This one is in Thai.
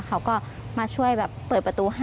เขาก็มาช่วยแบบเปิดประตู๕